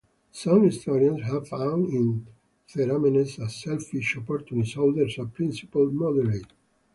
Some historians have found in Theramenes a selfish opportunist, others a principled moderate.